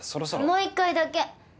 もう一回だけ。